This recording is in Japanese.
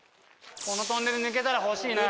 このトンネル抜けたら欲しいな。